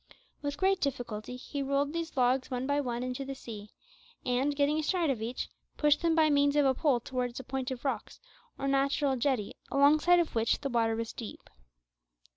With great difficulty he rolled these logs one by one into the sea, and, getting astride of each, pushed them by means of a pole towards a point of rocks, or natural jetty, alongside of which the water was deep.